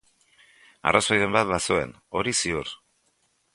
Arrazoien bat bazuen, hori ziur.